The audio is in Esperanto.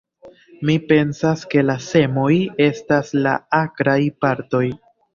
Mi pensas, ke la semoj estas la akraj partoj.